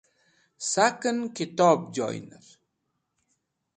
Saken Kitob Joyner